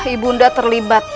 ibu unda terlibat